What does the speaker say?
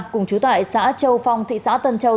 cùng chú tại xã châu phong thị xã tân châu